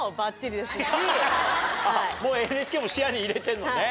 もうＮＨＫも視野に入れてんのね。